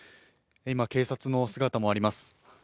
今、警察の姿もあります。